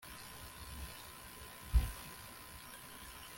yakekaga ko umugore we yaba yasaze